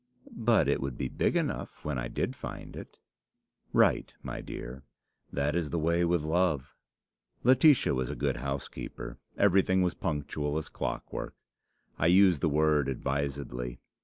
"But it would be big enough when I did find it." "Right, my dear. That is the way with love. Laetitia was a good housekeeper. Everything was punctual as clockwork. I use the word advisedly.